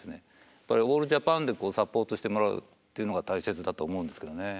オールジャパンでサポートしてもらうっていうのが大切だと思うんですけどね。